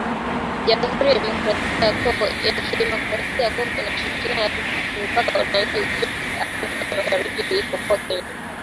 Jamuhuri ya Kidemokrasia ya Kongo inashirikiana mipaka na nchi zote za Afrika Mashariki isipokuwa Kenya